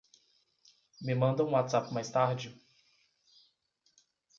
Me manda um WhatsApp mais tarde